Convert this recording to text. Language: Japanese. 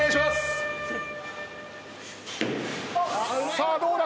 さあどうだ？